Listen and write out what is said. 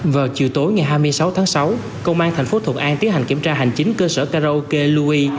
vào chiều tối ngày hai mươi sáu tháng sáu công an thành phố thuận an tiến hành kiểm tra hành chính cơ sở karaoke loui